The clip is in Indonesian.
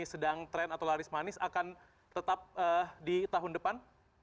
sedang tren atau laris manis akan tetap di tahun depan